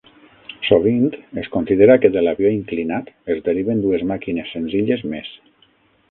Sovint es considera que de l'avió inclinat es deriven dues màquines senzilles més.